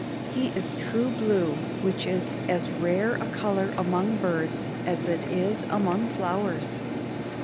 _ He is "true blue," which is as rare a color among birds as it is among flowers.